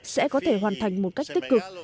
sẽ có thể hoàn thành một cách tích cực